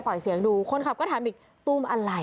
เสียงดูคนขับก็ถามอีกตู้มอะไร